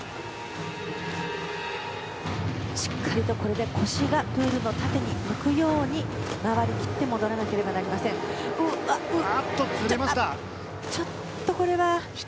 しっかりと、これで腰がプールの縦に向くように回り切って戻らなくてはなりませんが。